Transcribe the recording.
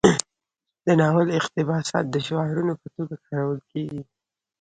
د ناول اقتباسات د شعارونو په توګه کارول کیږي.